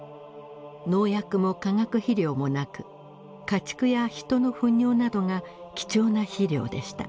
農薬も化学肥料もなく家畜や人の糞尿などが貴重な肥料でした。